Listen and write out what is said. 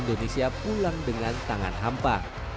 indonesia pulang dengan tangan hampa